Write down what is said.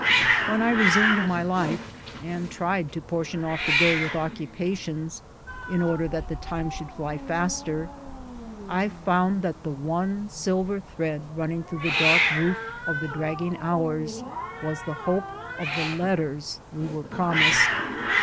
"When I resumed my life, and tried to portion off the day with occupations, in order that the time should fly faster, I found that the one silver thread running through the dark woof of the dragging hours was the hope of the letters we were promised.